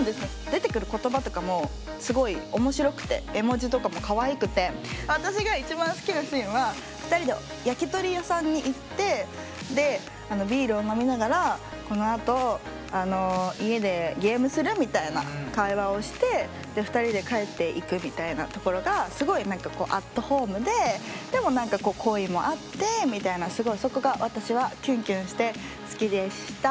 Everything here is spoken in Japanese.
出てくる言葉とかもすごい面白くて絵文字とかもかわいくて私が一番好きなシーンは２人で焼き鳥屋さんに行ってでビールを飲みながら「このあと家でゲームする？」みたいな会話をして２人で帰っていくみたいなところがすごいアットホームででも恋もあってみたいなすごいそこが私はキュンキュンして好きでした。